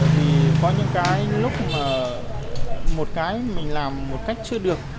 thì có những cái lúc mà một cái mình làm một cách chưa được